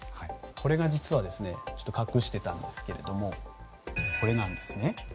これが実は隠していたんですがこれなんです。